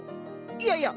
いやいや！